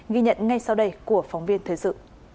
ghi nhận ngay sau đây của phóng viên thế dự